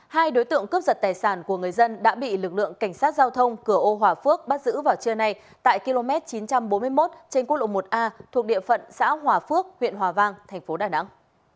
hai đối tượng cướp giật tài sản của người dân đã bị lực lượng cảnh sát giao thông cửa ô hòa phước bắt giữ vào trưa nay tại km chín trăm bốn mươi một trên quốc lộ một a thuộc địa phận xã hòa phước huyện hòa vang thành phố đà nẵng